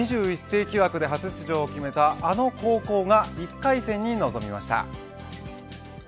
２１世紀枠で初出場を決めたあの高校が１回戦に臨みました。